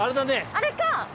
あれか！